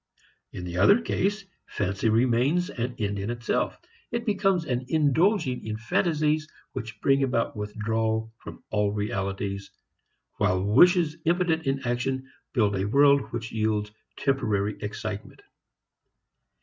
In the other case, fancy remains an end in itself. It becomes an indulging in fantasies which bring about withdrawal from all realities, while wishes impotent in action build a world which yields temporary excitement.